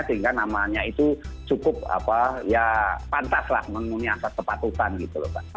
sehingga namanya itu cukup apa ya pantas lah menguniasat kepatusan gitu loh